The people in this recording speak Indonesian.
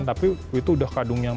tapi itu udah kadung yang